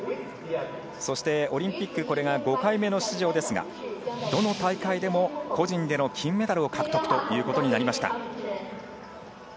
そしてオリンピックこれが５回目の出場ですが、どの大会でも個人での金メダルを獲得ということになりました。